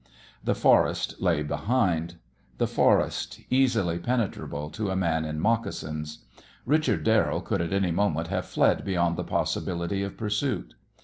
The forest lay behind; the forest, easily penetrable to a man in moccasins. Richard Darrell could at any moment have fled beyond the possibility of pursuit.